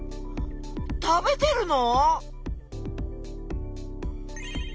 食べてるの？